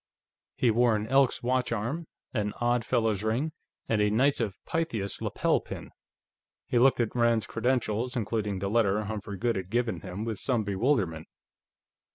He wore an Elks watchcharm, an Odd Fellows ring, and a Knights of Pythias lapel pin. He looked at Rand's credentials, including the letter Humphrey Goode had given him, with some bewilderment.